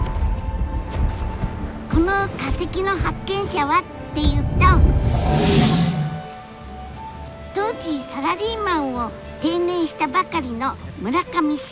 この化石の発見者はっていうと当時サラリーマンを定年したばかりの村上茂さん。